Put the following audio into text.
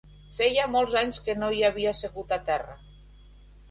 Feia molts anys que no hi havia segut a terra